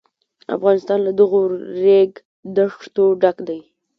افغانستان له دغو ریګ دښتو ډک دی.